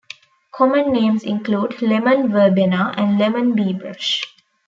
Common names include lemon verbena and lemon beebrush.